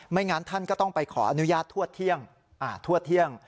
งั้นท่านก็ต้องไปขออนุญาตทั่วเที่ยง